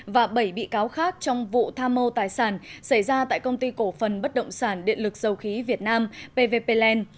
và bảy bị cáo khác trong vụ tham mô tài sản xảy ra tại công ty cổ phần bất động sản điện lực dầu khí việt nam pvp land